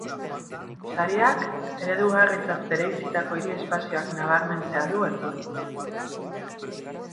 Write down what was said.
Sariak eredugarritzat bereizitako hiri-espazioak nabarmentzea du helburu.